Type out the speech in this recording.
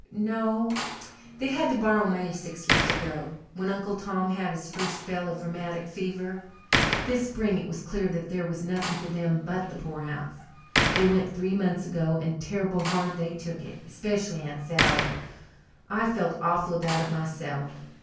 "No; they had to borrow money six years ago when Uncle Tom had his first spell of rheumatic fever. This spring it was clear that there was nothing for them but the poorhouse. They went three months ago and terrible hard they took it, especially Aunt Sally, I felt awful about it myself.